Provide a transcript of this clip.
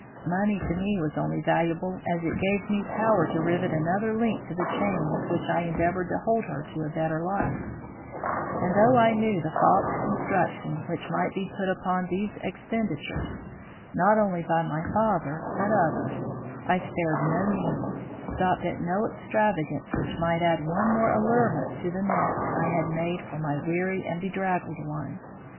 Money to me was only valuable as it gave me power to rivet another link to the chain with which I endeavoured to hold her to a better life; and though I knew the false construction which might be put upon these expenditures, not only by my father but others, I spared no means, stopped at no extravagance which might add one more allurement to the nest I had made for my weary and bedraggled one.